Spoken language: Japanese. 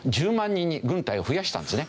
人に軍隊を増やしたんですね。